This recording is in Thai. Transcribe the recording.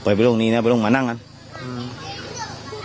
ไปไปล่วงนี้นะไปล่วงมันนั่งนั้นอืม